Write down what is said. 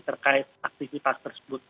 terkait aktivitas tersebut